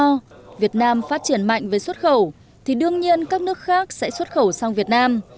nếu việt nam phát triển mạnh với xuất khẩu thì đương nhiên các nước khác sẽ xuất khẩu sang việt nam